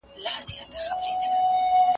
د عايد وېش په اړه بحثونه سوي دي.